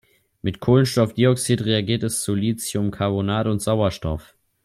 Mit Kohlenstoffdioxid reagiert es zu Lithiumcarbonat und Sauerstoff.